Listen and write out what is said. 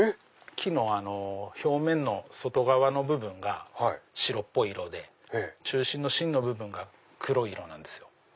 ⁉木の表面の外側の部分が白っぽい色で中心の芯の部分が黒い色なんですよ。